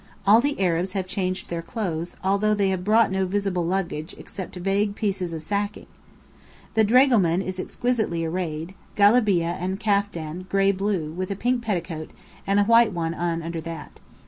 All the Arabs have changed their clothes, although they have brought no visible luggage except vague pieces of sacking. The dragoman is exquisitely arrayed, galabeah and kaftan gray blue, with a pink petticoat, and a white one under that.